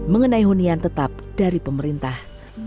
mengenai hunian tetap dari pemerintah